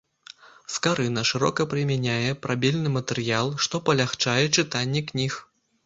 Скарына шырока прымяняе прабельны матэрыял, што палягчае чытанне кніг.